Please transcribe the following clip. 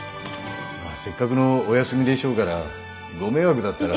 せっかくのお休みでしょうからご迷惑だったら。